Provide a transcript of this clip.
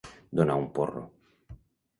Donar un porro.